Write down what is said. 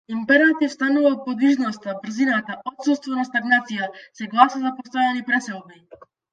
Императив станува подвижноста, брзината, отуството на стагнација, се гласа за постојани преселби.